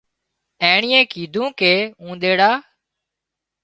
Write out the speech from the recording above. اينڻيئي ڪيڌون ڪي اونۮيڙا